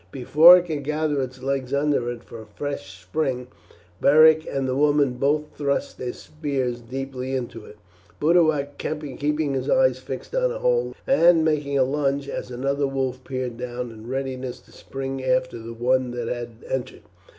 Before it could gather its legs under it for a fresh spring Beric and the woman both thrust their spears deeply into it, Boduoc keeping his eyes fixed on the hole, and making a lunge as another wolf peered down in readiness to spring after the one that had entered.